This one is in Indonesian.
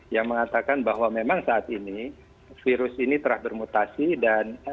yang mengatakan bahwa memang saat ini virus ini telah bermutasi dan